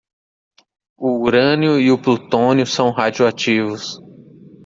O urânio e o plutônio são radioativos.